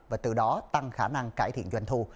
và từ đó tăng khả năng cải thiện doanh thu